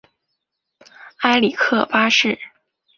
埃里克八世。